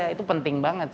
itu penting banget sih